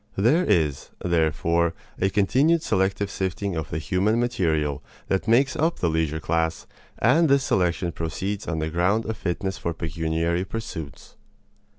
There is, therefore, a continued selective sifting of the human material that makes up the leisure class, and this selection proceeds on the ground of fitness for pecuniary pursuits.